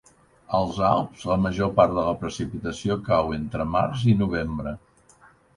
Als Alps la major part de la precipitació cau entre març i novembre.